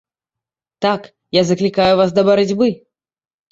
Так, я заклікаю вас да барацьбы.